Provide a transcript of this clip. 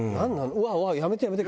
うわうわやめてやめて。